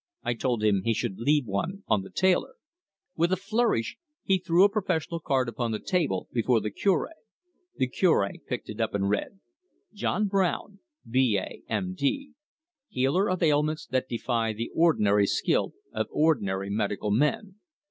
I told him he should leave one on the tailor." With a flourish he threw a professional card upon the table, before the Cure. The Cure picked it up and read: JOHN BROWN, B.A., M.D., Healer of Ailments that Defy the Ordinary Skill of Ordinary Medical Men.